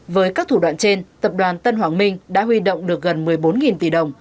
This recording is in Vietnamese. với các thủ đoạn trên tập đoàn tân hoàng minh đã huy động được gần một mươi bốn tỷ đồng